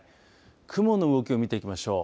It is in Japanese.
雲の動きを見ていきましょう。